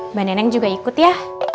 mbak neneng juga ikut ya